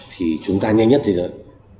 thì chúng ta nhanh nhất thế giới